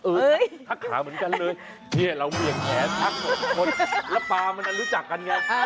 ทักขาเหมือนกันเลยเนี่ยเราเหวี่ยงแขนทัก๖คนแล้วปลามันรู้จักกันไง